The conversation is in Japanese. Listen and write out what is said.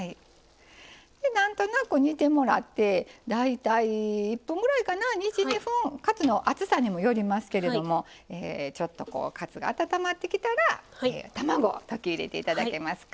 なんとなく煮てもらって大体１分ぐらいかな１２分カツの厚さにもよりますけれどもちょっとカツが温まってきたら卵を溶き入れて頂けますか。